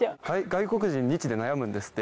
外国人「日」で悩むんですって。